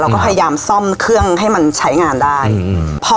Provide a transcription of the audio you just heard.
ก็พยายามซ่อมเครื่องให้มันใช้งานได้อืม